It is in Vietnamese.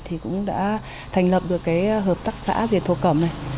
thì cũng đã thành lập được cái hợp tác xã dệt thổ cẩm này